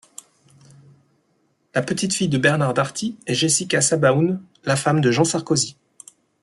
La petite-fille de Bernard Darty est Jessica Sebaoun, la femme de Jean Sarkozy.